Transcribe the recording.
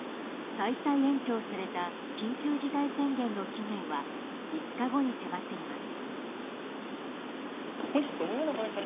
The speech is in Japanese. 再々延長された緊急事態宣言の期限は５日後に迫っています。